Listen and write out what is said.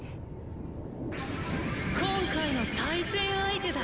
今回の対戦相手だ。